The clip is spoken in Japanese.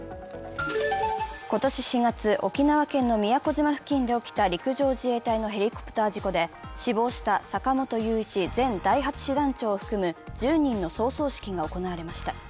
今年４月、沖縄県の宮古島付近で起きた陸上自衛隊のヘリコプター事故で死亡した坂本雄一前第８師団長を含む１０人の葬送式が行われました。